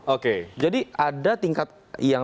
oke jadi ada tingkat yang